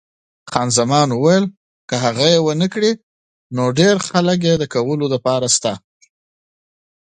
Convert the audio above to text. خان زمان وویل، هو، خو که هغه یې ونه کړي ګڼ نور خلک شته.